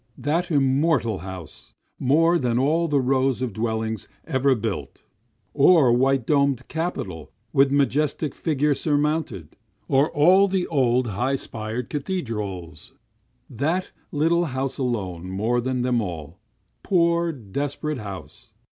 That immortal house more than all the rows of dwellings ever built! Or white domed capitol with majestic figure surmounted, or all the old high spired cathedrals, That little house alone more than them all poor, desperate house!